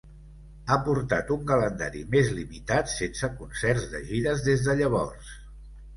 Ha portat un calendari més limitat sense concerts de gires des de llavors.